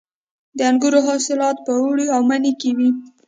د انګورو حاصلات په اوړي او مني کې وي.